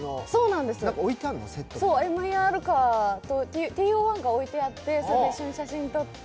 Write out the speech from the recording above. ＭＥＲカーとＴＯ１が置いてあってそれで一緒に写真を撮って。